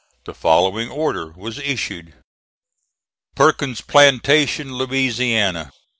The following order was issued: PERKINS PLANTATION, LA.